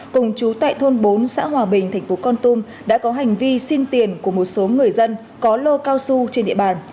cùng chú tại thôn bốn xã hòa bình thành phố con tum đã có hành vi xin tiền của một số người dân có lô cao su trên địa bàn